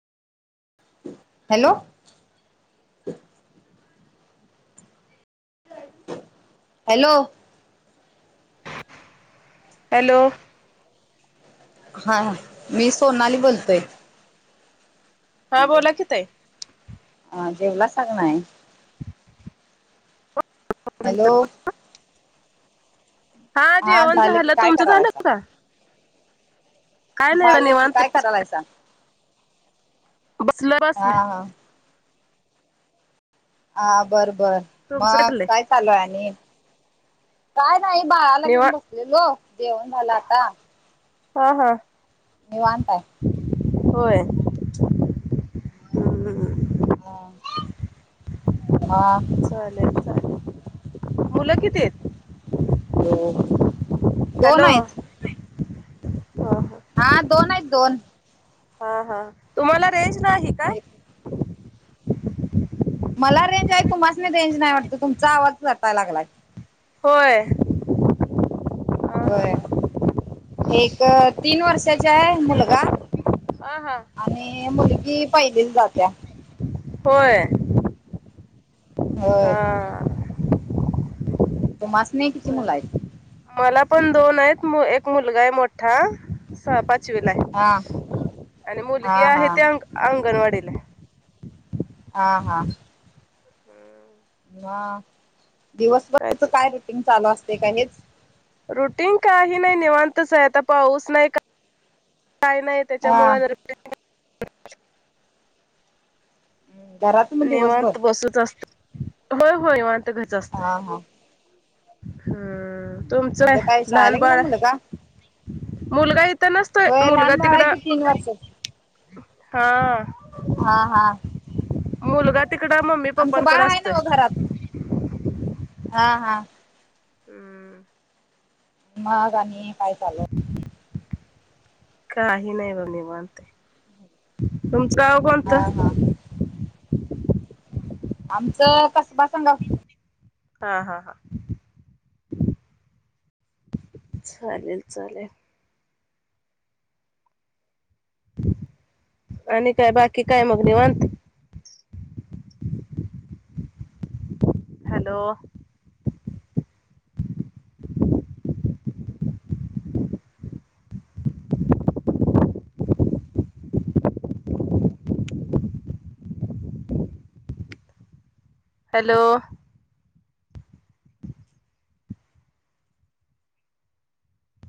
Hello. Hello. Hello. हां हां. मी सोनाली बोलतोय. हा हॅलो. बोला कि ताई हा जेवलासा का नाय? हॅलो. हां हा जेवण की झालं. काय तुमचं झालं करायलायसा का? काय नाही झालं की निवांत काय करालायसा. बसलोय बसलोय. हा बरं बरं, तुमचं मग पटलंय काय चालूय आणि? काय नाही बाळाला घेऊन निवांत बसलेलो जेवण झालं आता. हा हा. निवांताय. होय. हम्म [inaudible] हा. चालेल चालेल. मुलं किती आहेत? हो हो दोन हॅलो आहेत. हा दोन आहेत दोन. हा हा तुम्हाला रेंज नाही काय? एक मला रेंज आहे तुम्हाच नाही रेंज नाही वाटत तुमचा आवाज काय तटा लागलाय. होय. हा होय एक तीन वर्षाचा आहे मुलगा. हा हा. आणि मुलगी पहिलीच जात्या. होय. होय. हा. तुमसनी. मला पण दोन आहेत एक मुलगा आहे मोठा. सहा पाचवी ला हा आहे आणि मुलगी हा आहे हा ते अ अंगणवाडीला. हा हा. हम्. ह दिवसभरच काय रेटिंग चालू असते का हेच? रुटीन काही नाही निवांतच आहे आता पाऊस नाही काही नाही. हा त्याच्यामुळे घरात मग दिवसभर नेवांत बसूच असत. होय होय वटच असत हा हा हम्म. तुमचं मुलं काय शाळेला लहान गेला बाळ. मुलगा? मुलगा इथं नसतोय, होय मुलगा लहान बाळ तिकड आहे की तीन वर्षाच हा. हा हा. मुलगा तिकड मम्मी आमचं बाळ पप्पांकडे आहे ना ओ असतोय. घरात. हा हा. हम्म. मग आणि काय चालू. काही नाही ब निवांत तुमचं गाव हा कोणतं? हा आमचं कसबा संगा हा हा हा. चालेल चालेल. आणि काय बाकी काय मग निवत? हॅलो. हॅलो.